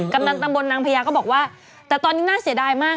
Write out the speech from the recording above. กำนันตำบลนางพญาก็บอกว่าแต่ตอนนี้น่าเสียดายมาก